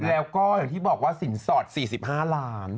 แล้วก็อย่างที่บอกว่าสินสอด๔๕ล้าน